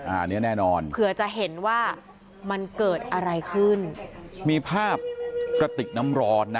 อันนี้แน่นอนเผื่อจะเห็นว่ามันเกิดอะไรขึ้นมีภาพกระติกน้ำร้อนนะ